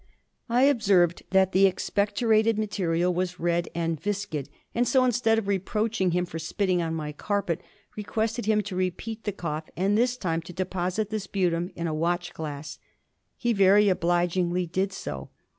I observed that the expectorated material was red and viscid ; and so, instead of reproaching him for spitting on my carpet, requested him to repeat the cough and this time to deposit the sputum in a watch glass. He very obligingly did so.